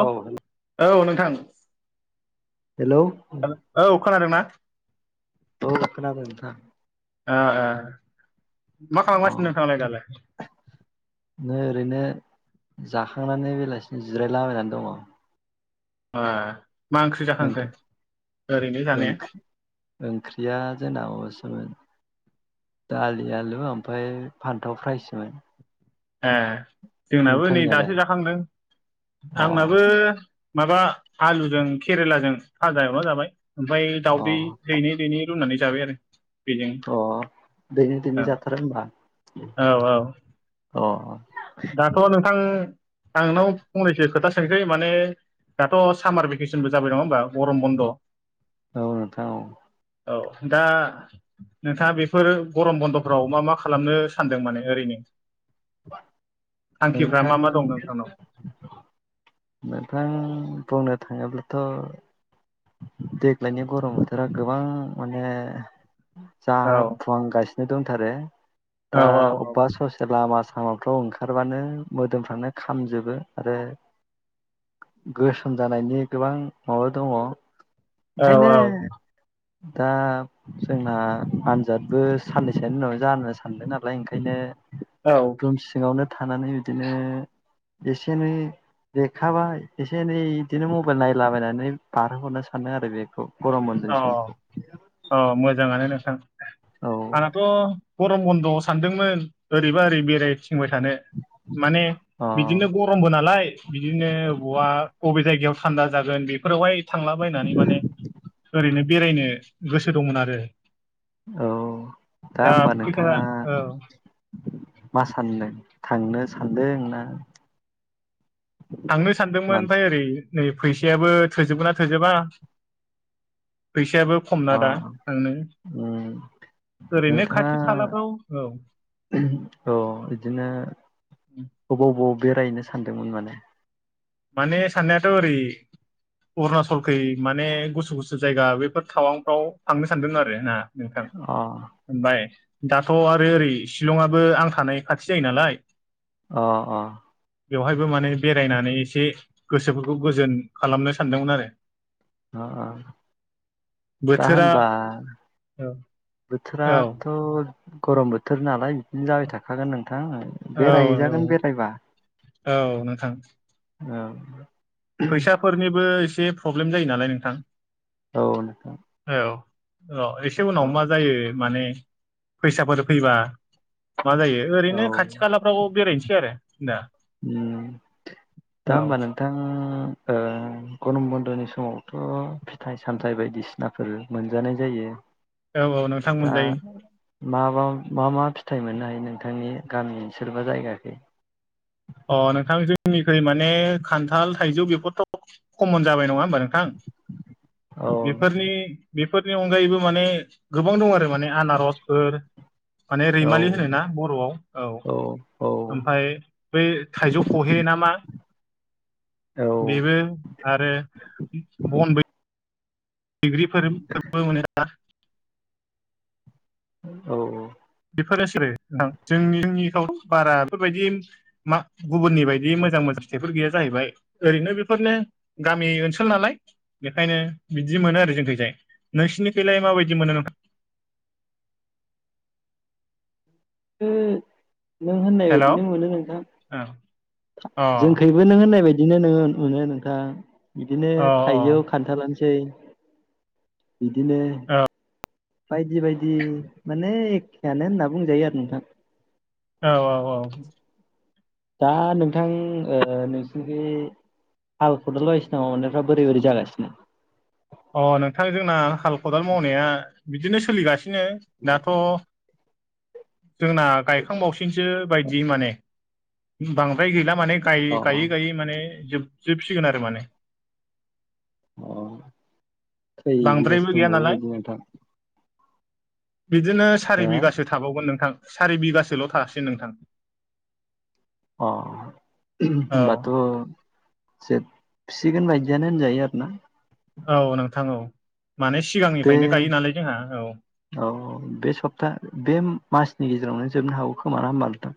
औ औ नोंथां हेलौ औ खोनादोंना? औ खोनादों नोंथां आ ओ मा खालामगासिनो नोंथांआ लाय दालाय? नों ओरैनो जाखांनानै बेलासिनो जिरायलाबायनानै दङ ए। जानाया ओंख्रिया जोंना माबासोमोन। दालि आलु ओमफ्राय फान्थाव फ्राइसोमोन ए जोंनाबो नै दासो जाखांदों अ आंनाबो माबा आलुजों केरेलाजों फाजा एवना जाबाय ओमफ्राय अ दावउदै दैनै दैैनै रुनानै जाबाय आरो बेजों अ दैनै दैनै औ जाथारो होनबा औ औ अ दाथ' नोंथां आं नोंनाव फंनैसो खोथा सोंसै माने दाथ' सामार भेकेसनबो जाबाय नङा होमबा गरम बन्द' औ नोंथां औ औ दा। नोंथाङा बेफोर गरम बन्द'फ्राव मा मा खालामनो सानदों माने ओरैनो थांखिफ्रा नोंथां मा मा दं नोंथांनाव नोंथां। बुंनो थाङोब्लाथ' देग्लायनि गरम बोथोरा गोबां माने औ जाफुहांगासिनो दंथारो औ दा अबेबा ससे लामा लामाफ्राव ओंखारबानो मोदोमफ्रानो खामजोबो आरो गोसोम जानायनि गोबां माबा दङ' औ ओंखायनो औ। दा जोंना आनजादबो साननैसोनि उनाव जानो सानदों नालाय ओंखायनो। औ रुम सिङावनो थानानै बिदिनो एसे एनै देरखाबाय एसे एनै बिदिनो मबाइल नायलाबायनानै बारहोहरनो सानदों आरो बेखौ गरम बन्दनि औ सम औ मोजाङानो नोंथां औ आंहाथ'। गरम बन्द'आव सानदोंमोन ओरैबा ओरै बेरायथिंबाय थानो माने अ बिदिनो गरमबो नालाय बिदिनो बहा बबे जायगायाव। थान्दा जागोन बेफोरावहाय थांलाबायनानै माने ओरैनो बेरायनो गोसो गोसो दंमोन आरो औ दा होमबा फैसा नोंथाङा औ मा सान्दों थांनो सानदोंना थांनो सानदोंमोन ओमफ्राय ओरै नै फैसायाबो थोजोबगोन ना थोजोबा फैसायाबो खमना दा अ थांनो उम ओरैनो नोंथाङा खाथि खालाफ्राव औ। औ बिदिनो अबाव बबाव बेरायनो सानदोंमोन माने माने साननायाथ' ओरै अरुणासलखै माने गुसु-गुसु जायगा बेफोर थावांफ्राव थांनो सानदों आरो ना नोंथां अ बाय‌ दाथ' आरो ओरै शिलंआबो आं थानाय खाथि जायो नालाय अ - अ बेवहायबो माने बेरायनानै एसे गोसोफोरखौ गोजोन खालामनो सानदोंमोन आरो [inaudible] दा बोथोरा होनबा औ औ बोथोराथ' गरम बोथोर नालाय‌ बिदिनो जाबाय थाखागोन नोंथां औ बेरायहैजागोन बेरायबा‌ औ नोंथां औ फैसाफोरनिबो एसे प्रब्लेम जायो नालाय नोंथां‌ औ नो‌ र' एसे उनाव मा जायो माने फैसाफोर फैबा मा जायो औ ओरैनो खाथि खालाफ्राव बेरायनोसै आरो ना दा होमबा नोंथां ओ गरम बन्द'नि समावथ' फिथाइ-सामथायाइ बायदिसिनाफोर मोनजानाय जायो औ - औ नोंथां दा मोनजायो मा - मा - मा फिथाइ मोननो हायो नोंथांनि गामि ओनसोल बा जायगाखै अ नोंथां जोंनिखै माने खान्थाल थाइजौ बेफोरथ' खमन जाबाय नङा होमबा नोंथां औ बेफोरनि बेफोरनि अनगायैबो माने गोबां दं आरो माने आनारसफोर माने रैमालि होनोना बर'आव औ औ ओमफाय बै थाइजौ खहे नामा बेबो आरो बन बै बैग्रिफोर फोरबो मोनो औ बेफोरोसो जोंनि ओनसोलआव बारा बेफोरबायदि मा गुबुननि बायदि मो मोजां मोजां स्टेफोर गैया जाहैबाय ओरैनो बेफोरनो गामि ओनसोल नालाय बेखायनो बिदि मोनो आरो जोंनिखैजाय नोंसिनिखैलाय माबायदि मोनो नों होम नों होननाय हेल' बायदिनो अ मोनो नोंथां अ जोंखैबो नों होननाय बायदि बिदिनो नोङो मोनो नोंथां बिदिनो थाइजौआव खान्थालानोसै बिदिनो बायदि-बायदि माने एखेआनो होनना बुंजायो आरो नोंथां औ - औ - औ दा नोंथां ओ‌ नोंसिनि हाल-खदाल बायदिसिनायाव नोंहा बोरै बोरै जागासिनो अ नोंथां जोंना हाल खदाल मावनाया बिदिनो सोलिगा बिदिनो दाथ' जोंना गायखांबावसिनसो बायदि माने बांद्राय गैला माने‌ गायै अ - गायै - गायै माने जोबजोबसिगोन आरो माने अ सै बिगोसो बांद्रायबो गैया दंबावो नालाय बायदि नोंथां बिदिनो सारि हो बिगासो थाबावगोन नोंथां सारि बिगासोल' थासै नोंथां अ औ होंमबाथ' जोब फिसिगोन बायदियानो होनजायो आरो ना औ नोंथां औ माने बे सिगांनिफ्रायनो गायो नालाय जोंहा औ औ बे सप्ता बे मास नि गेजेरावनो जोबनो हागौ खोमा हबालदों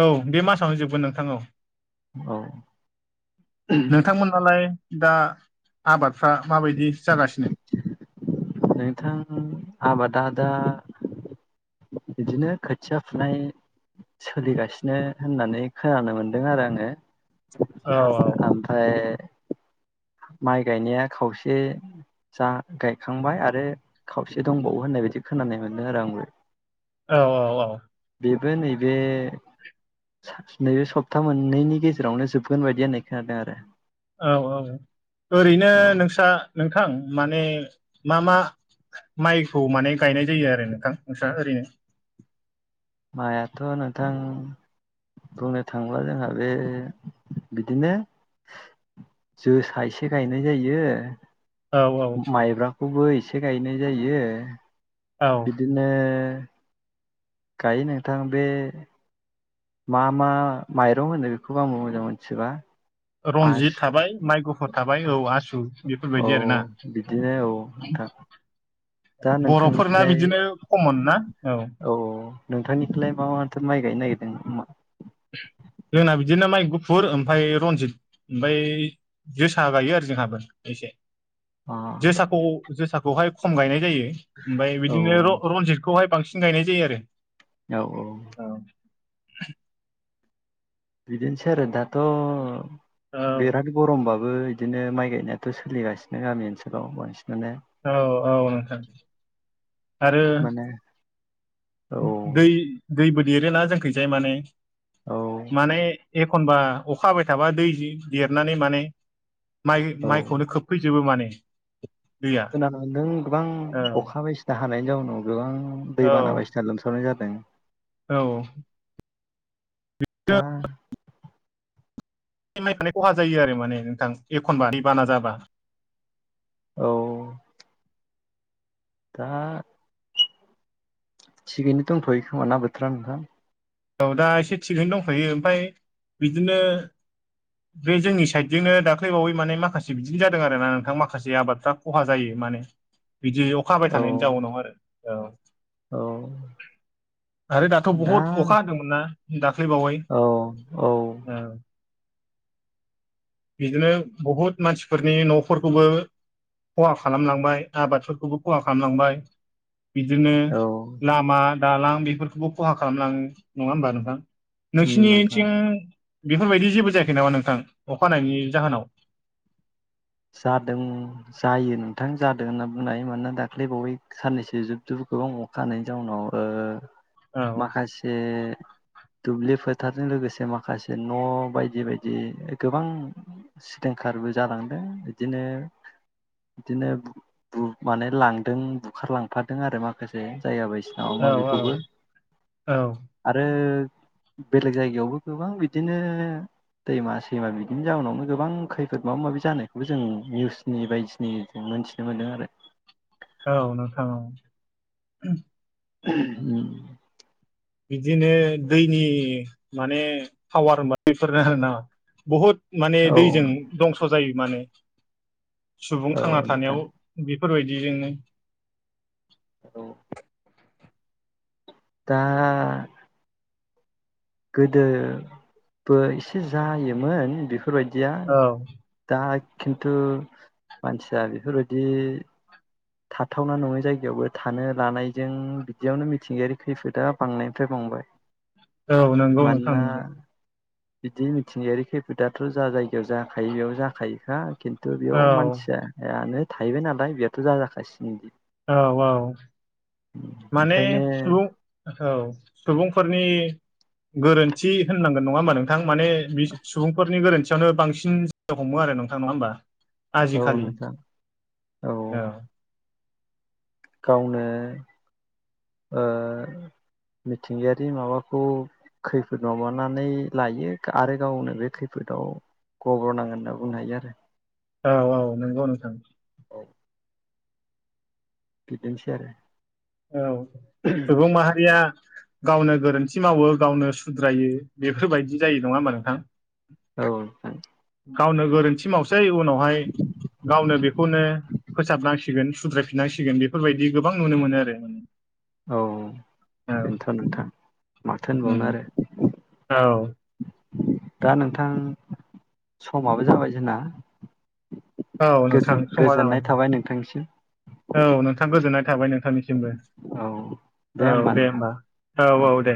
औ बे मासावनो जोबगोन नोंथां औ औ नोंथांमोनालाय दा आबादफ्रा माबायदि जागासिनो नोंथां आबादा दा बिदिनो खोथिया फुनाय सोलिगासिनो होननानै खोनानो मोनदों आरो आङो औ औ औ ओमफ्राय माइ गायनाया खावसे जा गायखांबाय आरो खावसे दंबावो होननायबायायदि खोनानाय मोनदों आरो आंबो औ औ औ बेबो नैबे नैबे सप्ता मोननैनि गेजेरावनो जोबगोन बायदि होननाय खोनादों आरो औ औ ओरैनो औ नोंस्रा नोंथां माने मा मा माइखौ माने गायनाय जायो आरो नोंथां नोंस्रा ओरैनो माइआथ' नोंथां बुंनो थाङोब्ला जोंहा बे बिदिनो जोसा एसे गायनाय जायो औ औ माइब्राखौबो एसे गायनाय जायो औ बिदिनो गायो नोंथां बे मा मा माइरं होनो बेखौबो आं मोजां मोनथिबा रनजित आसु थाबाय माइ गुफुर थाबाय औ आसु औ बेफोरबायदि आरोना बिदिनो औ नोंथां दा बर'फोरना नोंथांनिखौलाय बिदिनो खमन ना औ नोंथांनिखौलाय मा माथो माइ गायनो नागिरदों नोंथांङा [unintelligible] जोंना बिदिनो माइ गुफुर ओमफ्राय रनजित ओमफफ्राय जोसा गायो आरो जोंहाबो अ जोसाखौ जोसाखौहाय खम गायनाय जायो ओमफ्राय औ बिदिनो रनजितखौहाय बांसिन गायनाय जायो आरो औ औ [unintelligible] बिदिनोसै आरो दाथ' बिराद गरमबाबो बिदिनो माइ गायनायाथ' सोलिगासिनो गामि ओनसोलाव बांसिन औ औ नोंथां आरो माने औ दै दैबो देरोना जोंखैजाय माने औ माने एखनबा अखा हाबाय थाबा दै जि देरनानै माने माइ औ माइखौनो खोबफैजोबो माने दैया खोनानो मोन्दों गोबां औ अखा बायसिना हानायनि जाउनाव गोबां औ दैबाना बायदिसिना लोमसावनाय जादों [unintelligible] औ दा नायफानाय खहा जायो आरो माने नोंथां एखनबा दै बाना जाबा औ दा थिगैनो दंथ'यो खोमा ना बोथोरा नोंथां औ दा एसे थिगैनो दंखायो ओमफ्राय बिदिनो बे जोंनि साइडजोंनो दाख्लैबावै माने माखासे बिदि जादों आरोना नोंथां माखासे आबादफ्रा खहा जायो माने बिदि अखा हाबायथानायनि औ जाउनाव आरो औ औ आरो दाथ' दा बहुद अखा हादोंमोन ना दाख्लैबावै औ औ ओ बिदिनो बहुत मानसिफोरनि न'फोरखौबो खहा खालामलांबाय आबादफोरखौबो खहा खालामलांबाय बिदिनो औ लामा दालां बेफोरखौबो खहा खालामलाङो नङा होमबा नोंथां उम नोंथां नोंसिनिथिं बेफोरबायदि जेबो जायाखै नामा नोंथां अखा हानायनि जाहोनाव जादों जायो नोंथां जादों होनना बुंनाय हायो मानोना दाख्लै बावै साननैसो जुब जुब गोबां अखा हानायनि जाउनाव ओ औ माखासे दुब्लि फोथारजों लोगोसे माखासे न' बायदि बायदि गोबां [unintelligible] खारबो जालांदों बिदिनो बिदिनो बु-बु माने लांदों बुखारलांफादों आरो माखासे जायाबाय औ [unintelligible] औ बिखौबो औ आरो बेलेग जायगायावबो गोबां बिदिनो दैमा सैमा बिदिनि जाउनावनो गोबां खैफोद माबा माबि जानो बेबो जों निउसनि बायदि [unintelligible] जों मोनथिनो मोनदों आरो औ नोंथां औ [unintelligible] [unintelligible] बिदिनो दैनि माने फावार होनबा बैफोरनो आरोना बहुद माने दैजों औ दंस' जायो माने सुबुं औ थांना थानायाव नोंथां बे फोरबायदिजोंनो दा गोदोबो इसे जायोमोन बे फोरबायदिया औ दा खिन्थु मानसिया बेफोरबायदि थाथावना नङै जायगायावबो थानो लानायजों बिदियावनो मिथिंगायारि खैफोदा बांनायनिफ्राय बांबाय औ नोंगौ नोंथां मानोना नोंगौ बिदि मिथिंगायारि खैफोदाथ' जा जायगायाव जाखायो बेयाव जाखायोखा खिन थु बेयाव औ मानसिया यानो थाहैबाय नालाय बेयावथ' जाजाखासिगोनदि औ औ माने ओंखायनो सुबुं औ सुबुंफोरनि गोरोन्थि होननांगोन नङा होमबा नोंथां माने बि सुबुंफोरनि गोरोन [unintelligible] नो बांसिन हमो आरो नोंथां नङा होमबा औ आजिखालि नोंथां औ गावनो ओ मिथिंगायारि माबाखौ खैफोद माबानानै लायो आरो गावनो बे खैफोद दाव गब्र' नांगोन होनना बुंनो हायो आरो औ औ नंगौ नोंथां बिदिनोसै आरो औ सुबुं माहारिया गावनो गोरोन्थि मावो गावनो सुद्रायो बेफोरबायदि जायो नङा होमबा नोंथां औ नोंथां गावनो गोरोन्थि मावसै उनावहाय गावनो बेखौनो फोसाबनांसि गोन सुद्रायफिनांसिगोन बेफोरबायदि गोबां नुनो मोनो आरो औ औ बेनोथ' नोंथां माथो उम होनबावनो आरो औ दा नोंथां समाबो जाबाय जोंना औ नोंथां समा जाबाय गोजोन-गोजोननाय थाबाय नोंथांनिसिम थांनिसिमबो औ औ दे होमबा औ औ दे।